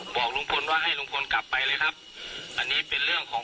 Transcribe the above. บอกลุงพลว่าให้ลุงพลกลับไปเลยครับอันนี้เป็นเรื่องของ